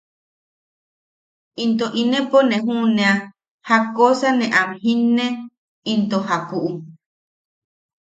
¡Into inepo ne juʼunea jakkosa ne am jinne into jakuʼu!